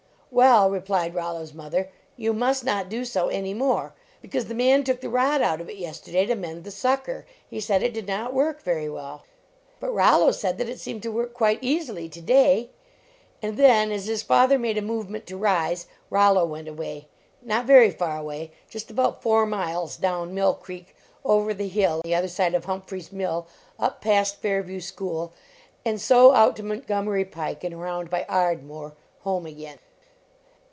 "Well," replied Rollo s mother, "you must not do so any more, because the man took the rod out of it yesterday to mend the sucker. He said it did not work very well." But Rollo said that it seemed to work quite easily to day. And then, as his father made a movement to rise, Rollo went away; not very far away just about four miles down Mill creek, over the hill the other side of Humphrey s mill, up past Fairview school, and so out to Montgomery pike and around by Ardmore, home again.